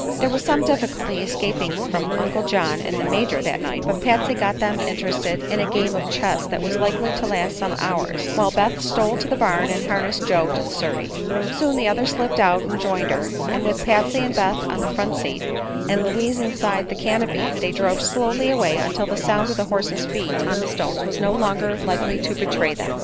There was some difficulty escaping from Uncle John and the Major that night, but Patsy got them interested in a game of chess that was likely to last some hours, while Beth stole to the barn and harnessed Joe to the surrey. Soon the others slipped out and joined her, and with Patsy and Beth on the front seat and Louise Inside the canopy they drove slowly away until the sound of the horse's feet on the stones was no longer likely to betray them.